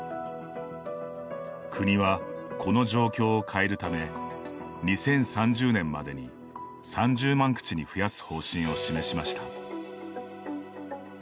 国はこの状況を変えるため２０３０年までに３０万口に増やす方針を示しました。